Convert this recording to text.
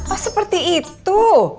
oh seperti itu